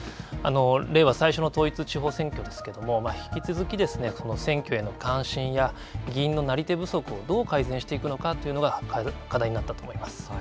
令和最初の統一地方選挙ですけれども、引き続きこの選挙への監視や、議員のなり手不足をどう改善していくのかというのが課題になったと思います。